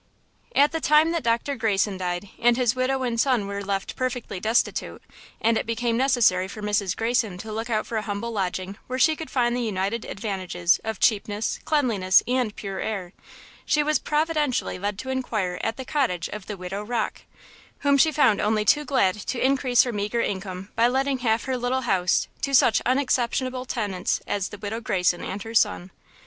At the time that Doctor Greyson died and his widow and son were left perfectly destitute, and it became necessary for Mrs. Greyson to look out for a humble lodging where she could find the united advantages of cheapness, cleanliness and pure air, she was providentially led to inquire at the cottage of the widow Rocke, whom she found only too glad to increase her meager income by letting half her little house to such unexceptionable tenants as the widow Greyson and her son.